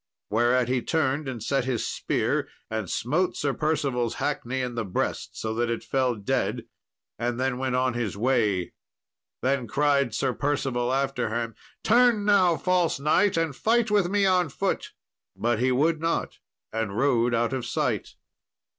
Whereat he turned and set his spear, and smote Sir Percival's hackney in the breast, so that it fell dead, and then went on his way. Then cried Sir Percival after him, "Turn now, false knight, and fight with me on foot;" but he would not, and rode out of sight.